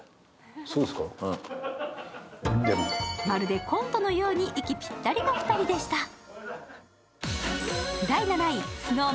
まるでコントのように息ぴったりの２人でした。